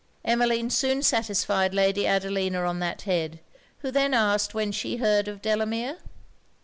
Emmeline soon satisfied Lady Adelina on that head, who then asked when she heard of Delamere?